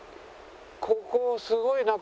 ここすごいな鯉。